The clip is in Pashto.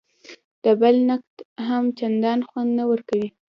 د بل نقد هم چندان خوند نه ورکوي.